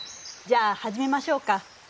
じゃあはじめましょうか。